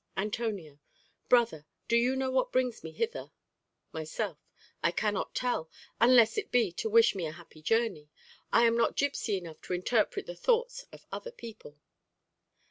Antonio Brother, do you know what brings me hither? Myself I cannot tell, unless it be to wish me a happy journey: I am not gipsy enough to interpret the thoughts of other people.